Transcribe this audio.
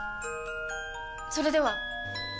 それでは！